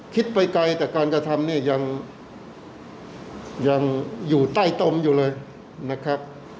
ไปไกลแต่การกระทำเนี่ยยังอยู่ใต้ตมอยู่เลยนะครับ